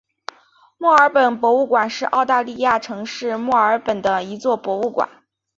墨尔本博物馆是澳大利亚城市墨尔本的一座博物馆。